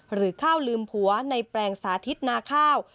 หรือข้าวลืมผัวในแปลงสาธิตนาข้าว